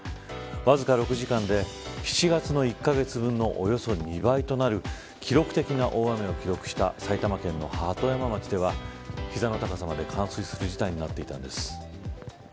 わずか６時間で７月の１カ月分のおよそ２倍となる記録的な大雨を記録した埼玉県の鳩山町では膝の高さまで、冠水する事態になっていたんです。